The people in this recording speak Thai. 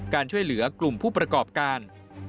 การช่วยเหลือกลุ่มผู้ประกอบการ